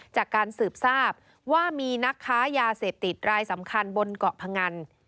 จากการสืบทราบว่ามีนักค้ายาเสพติดรายสำคัญบนเกาะพงัน